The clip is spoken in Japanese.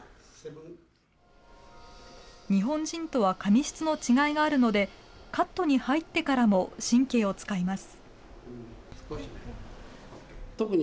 日本人とは髪質の違いがあるので、カットに入ってからも神経をつかいます。